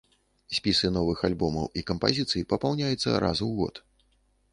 Спісы новых альбомаў і кампазіцый папаўняюцца раз у год.